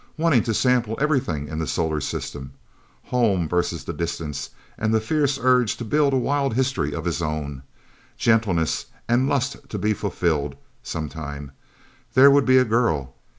Wanting to sample everything in the solar system... Home versus the distance, and the fierce urge to build a wild history of his own... Gentleness and lust to be fulfilled, sometime. There would be a girl...